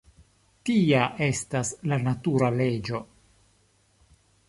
Tia estas la natura leĝo.